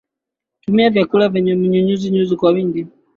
tumia vyakula vyenye nyuzinyuzi kwa wingi